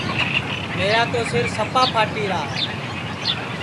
میرا تو سِر سپا پھاٹیرا ہے